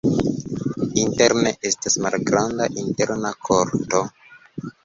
Interne estas malgranda interna korto.